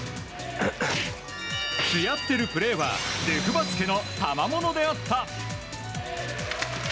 津屋ってるプレーはデフバスケのたまものであった。